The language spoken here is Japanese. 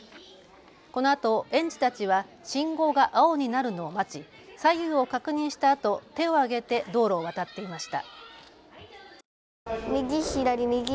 このあと園児たちは信号が青になるのを待ち左右を確認したあと手を上げて道路を渡っていました。